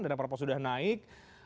dan parpol sudah naik